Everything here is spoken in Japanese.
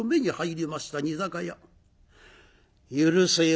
「許せよ」。